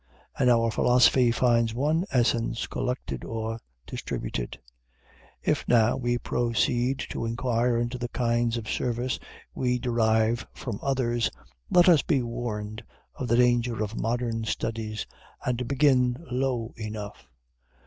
And our philosophy finds one essence collected or distributed. If now we proceed to inquire into the kinds of service we derive from others, let us be warned of the danger of modern studies, and begin low enough.